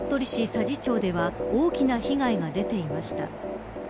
佐治町では大きな被害が出ていました。